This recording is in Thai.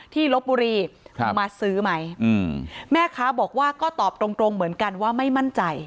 ลบบุรีมาซื้อไหมแม่ค้าบอกว่าก็ตอบตรงตรงเหมือนกันว่าไม่มั่นใจ